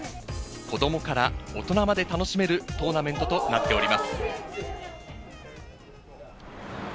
子供から大人まで楽しめるトーナメントとなっております。